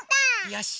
よし！